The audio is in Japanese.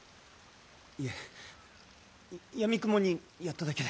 いえやみくもにやっただけで。